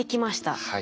はい。